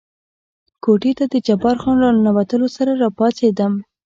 کوټې ته د جبار خان له را ننوتلو سره را پاڅېدم.